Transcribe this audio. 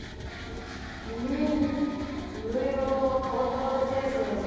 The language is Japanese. えっいろいろ変わった形ですね